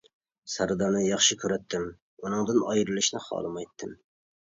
سەردارنى ياخشى كۆرەتتىم، ئۇنىڭدىن ئايرىلىشنى خالىمايتتىم.